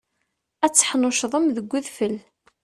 Ad teḥnuccḍem deg udfel.